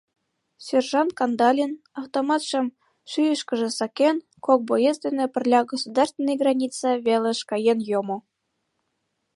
Сержант Кандалин, автоматшым шӱйышкыжӧ сакен, кок боец дене пырля государственный граница велыш каен йомо.